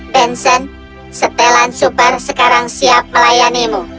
bensen setelan super sekarang siap melayanimu